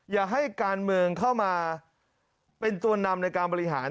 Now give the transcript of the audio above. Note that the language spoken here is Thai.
อย่าให้การเมืองเข้ามาเป็นตัวนำในการบริหาร